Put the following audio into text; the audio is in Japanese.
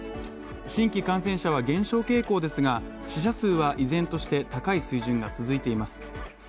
新規感染者は減少傾向ですが、死者数は依然として高い水準が続いています。